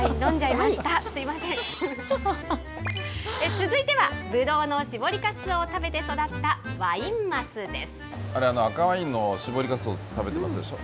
続いては、ぶどうの搾りかすを食べて育ったワイン鱒です。